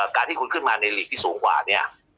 การที่คุณขึ้นมาในหลีกที่สูงกว่าเนี่ย